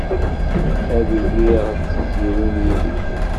Ad iliɣ d tizzyiwin yid-k.